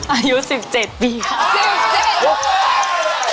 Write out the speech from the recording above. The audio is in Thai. อายุ๑๗ปีครับ